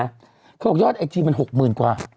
เขาบอกยอดไอจีมัน๖๐๐๐กว่า